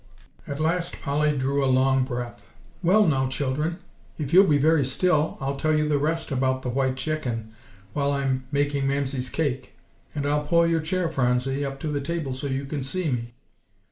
At last Polly drew a long breath. "Well, now, children, if you'll be very still I'll tell you the rest about the white chicken, while I'm making Mamsie's cake. And I'll pull your chair, Phronsie, up to the table so you can see me."